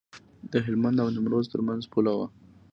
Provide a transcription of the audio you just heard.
د هلمند او نیمروز ترمنځ پوله وه.